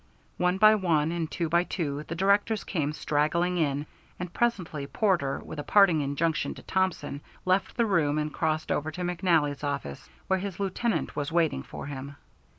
One by one, and two by two, the directors came straggling in, and presently Porter, with a parting injunction to Thompson, left the room and crossed over to McNally's office, where his lieutenant was waiting for him.